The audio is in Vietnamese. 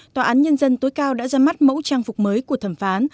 tòa án nhân dân tối cao đã ra mắt mẫu trang phục mới của thẩm phán